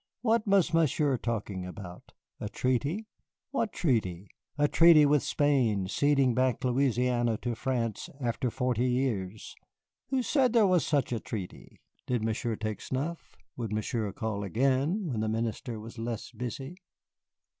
What was Monsieur talking about? A treaty. What treaty? A treaty with Spain ceding back Louisiana to France after forty years. Who said there was such a treaty? Did Monsieur take snuff? Would Monsieur call again when the Minister was less busy?